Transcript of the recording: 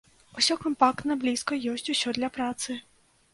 Усё кампактна, блізка, ёсць усё для працы.